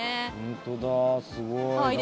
本当だ、すごい。